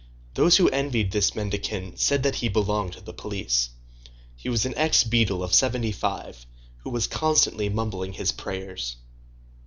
Those who envied this mendicant said that he belonged to the police. He was an ex beadle of seventy five, who was constantly mumbling his prayers.